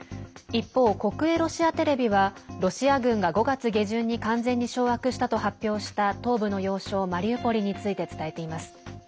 一方、国営ロシアテレビはロシア軍が５月下旬に完全に掌握したと発表した東部の要衝マリウポリについて伝えています。